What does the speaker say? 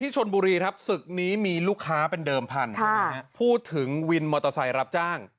ที่ชนบุรีสิบหนีมีลูกค้าเป็นเดิมพันค่ะค่ะพูดถึงรับจ้าง